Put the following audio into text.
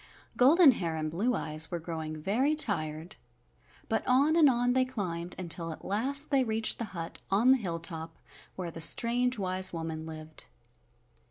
Golden Hair and Blue Eyes were growing very tired, but on and on they climbed until at last they reached the hut on the hilltop where the strange, wise woman lived.